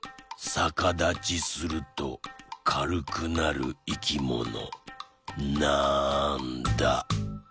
さかだちするとかるくなるいきもの？